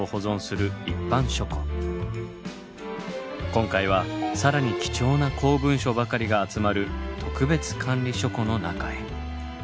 今回は更に貴重な公文書ばかりが集まる特別管理書庫の中へ。